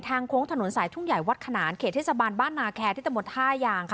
ทางโค้งถนนสายทุ่งใหญ่วัดขนานเกษทศบันบ้านนาไครที่ตำรวจห้ายางค่ะ